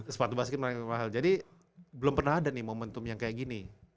sepatu basket mereka mahal jadi belum pernah ada nih momentum yang kayak gini